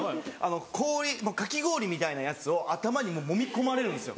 氷かき氷みたいなやつを頭にもみ込まれるんですよ。